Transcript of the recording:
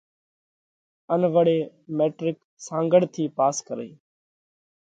ان وۯي ميٽرڪ سانگھڙ ٿِي پاس ڪرئِي۔